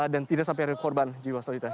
dan tidak sampai ada korban jiwa selanjutnya